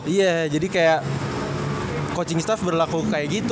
iya jadi kayak coaching staff berlaku kayak gitu